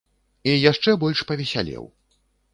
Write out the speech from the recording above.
І яшчэ больш павесялеў.